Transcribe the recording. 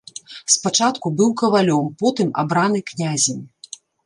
Спачатку быў кавалём, потым абраны князем.